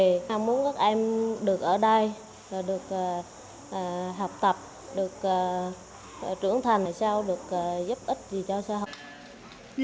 mình muốn các em được ở đây được học tập được trưởng thành được giúp ích cho xã hội